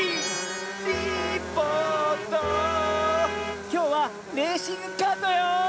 きょうはレーシングカートよ！